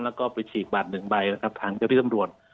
แล้วก็ปฤชีกบัตรหนึ่งใบทางเจ้าที่สำรวจ